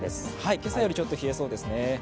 今朝よりちょっと冷えそうですね。